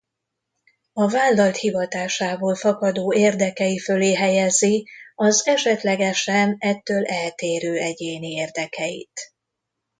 A vállalt hivatásából fakadó érdekei fölé helyezi az esetlegesen ettől eltérő egyéni érdekeit.